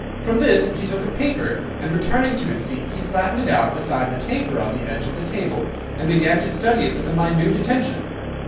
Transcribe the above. From this he took a paper, and returning to his seat he flattened it out beside the taper on the edge of the table, and began to study it with minute attention.